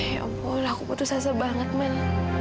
ya allah aku putus asa banget man